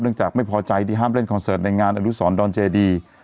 จากไม่พอใจที่ห้ามเล่นคอนเสิร์ตในงานอนุสรดอนเจดี